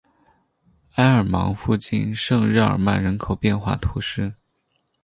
埃尔芒附近圣日耳曼人口变化图示